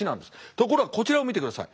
ところがこちらを見てください。